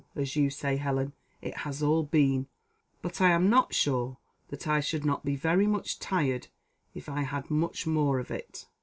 as you say, Helen, it has all been; but I am not sure that I should not be very much tired if I had much more of it.